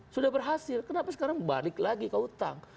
sudah berhasil kenapa sekarang balik lagi ke hutang